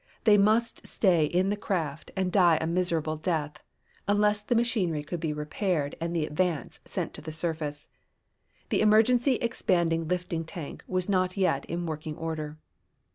They must stay in the craft and die a miserable death unless the machinery could be repaired and the Advance sent to the surface. The emergency expanding lifting tank was not yet in working order.